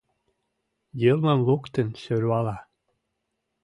Йылмым луктын сӧрвала.